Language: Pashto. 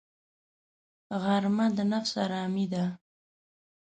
غرمه د نفس آرامي ده